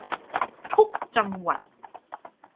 ทุกจังหวัด